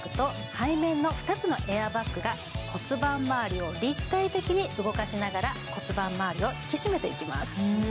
背面の２つのエアバッグが骨盤回りを立体的に動かしながら骨盤回りを引き締めていきます。